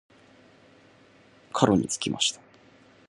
家路につきました。